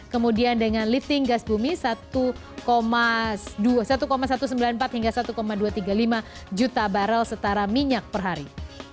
kemudian dengan lifting gas bumi satu satu ratus sembilan puluh empat hingga satu dua ratus tiga puluh lima juta barrel setara minyak per hari